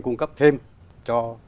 cung cấp thêm cho